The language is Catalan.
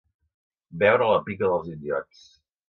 Beure a la pica dels indiots.